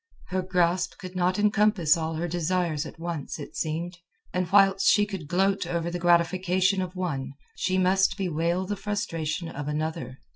Her grasp could not encompass all her desires at once, it seemed; and whilst she could gloat over the gratification of one, she must bewail the frustration of another.